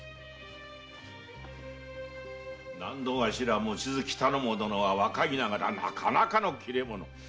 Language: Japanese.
納戸頭・望月頼母殿は若いながらなかなかの切れ者。